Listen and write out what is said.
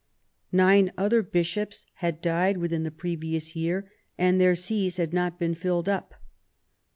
Nine other Bishops had died within the previous year, and their sees had not been filled up.